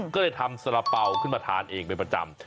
ก็เลยทำสาระเป๋าขึ้นมาทานเองเป็นประจำ